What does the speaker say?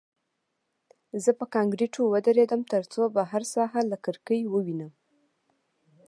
زه په کانکریټو ودرېدم ترڅو بهر ساحه له کړکۍ ووینم